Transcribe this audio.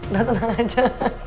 udah tenang aja